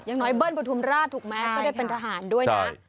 ยังน้อยเบิ้ลพุทธุมราชถูกไหมก็ได้เป็นทหารด้วยนะใช่